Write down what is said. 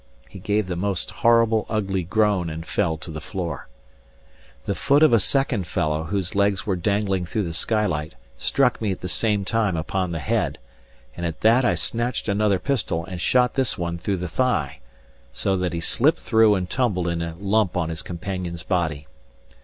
He gave the most horrible, ugly groan and fell to the floor. The foot of a second fellow, whose legs were dangling through the skylight, struck me at the same time upon the head; and at that I snatched another pistol and shot this one through the thigh, so that he slipped through and tumbled in a lump on his companion's body.